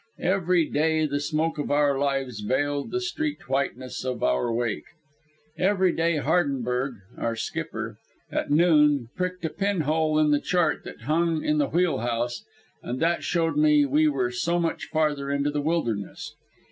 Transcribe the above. Every day the smoke of our fires veiled the streaked whiteness of our wake. Every day Hardenberg (our skipper) at noon pricked a pin hole in the chart that hung in the wheel house, and that showed we were so much farther into the wilderness.